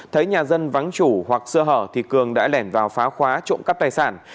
thấy nhà dân vắng chủ hoặc sơ hở thì cường đã lẻn vào phá khóa trộm cắp tài sản